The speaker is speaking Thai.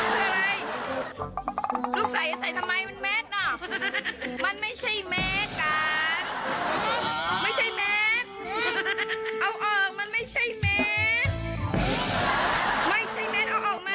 มันไม่ดีแมทเอาออกมามันไม่ใช่แมท